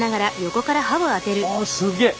あすげえ！